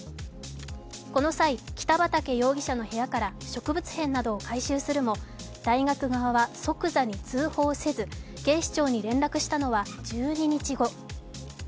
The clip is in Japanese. この際、北畠容疑者の部屋から植物片などを回収するも大学側は即座に通報せず警視庁に連絡したのは１２日後。